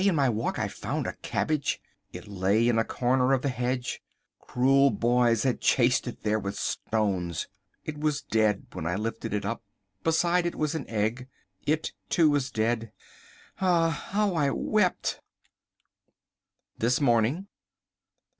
Next Day. To day in my walk I found a cabbage. It lay in a corner of the hedge. Cruel boys had chased it there with stones. It was dead when I lifted it up. Beside it was an egg. It too was dead. Ah, how I wept— This Morning.